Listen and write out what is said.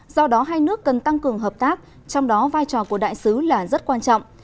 do đó hai nước cần tăng cường hợp tác trong đó vai trò của đại sứ là rất quan trọng